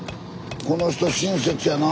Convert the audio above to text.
この人親切やな。